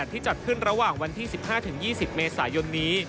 ที่จัดขึ้นระหว่างวันที่๑๕๒๐เมษายนนี้